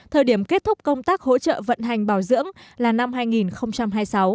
thời điểm kết thúc công tác hỗ trợ vận hành bảo dưỡng là năm hai nghìn hai mươi sáu